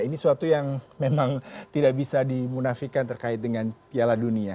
ini suatu yang memang tidak bisa dimunafikan terkait dengan piala dunia